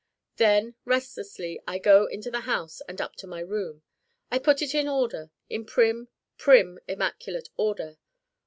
Then restlessly I go into the house and up to my room. I put it in order in prim, prim immaculate order.